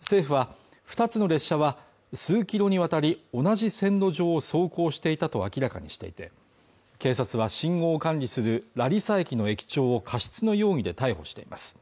政府は、二つの列車は数キロにわたり、同じ線路上を走行していたと明らかにしていて警察は信号を管理するラリサ駅の駅長を過失の容疑で逮捕しています。